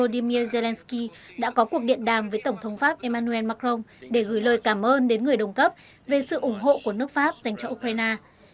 tổng thống ukraine volodymyr zelensky đã có cuộc điện đàm với tổng thống pháp emmanuel macron để gửi lời cảm ơn đến người đồng cấp về sự ủng hộ của nước pháp dành cho ukraine